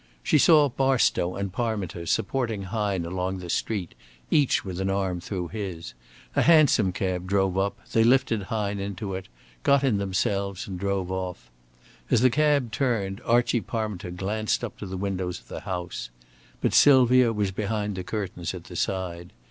She saw Barstow and Parminter supporting Hine along the street, each with an arm through his. A hansom cab drove up, they lifted Hine into it, got in themselves, and drove off. As the cab turned, Archie Parminter glanced up to the windows of the house. But Sylvia was behind the curtains at the side.